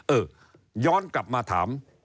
เออย้อนกลับมาถาม